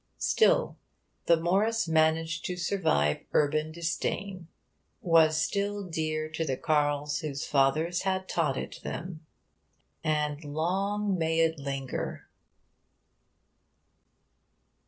Still, the Morris managed to survive urban disdain was still dear to the carles whose fathers had taught it them. And long may it linger!